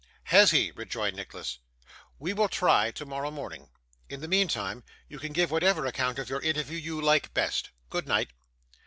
'Has he?' rejoined Nicholas. 'We will try, tomorrow morning. In the meantime, you can give whatever account of our interview you like best. Good night.